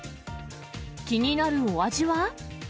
気になるお味は？